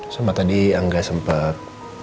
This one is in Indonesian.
sama tadi angga sempet